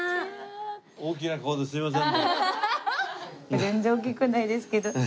全然大きくないですけど。